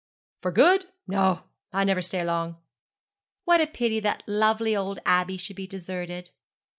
'For good! No, I never stay long.' 'What a pity that lovely old Abbey should be deserted!'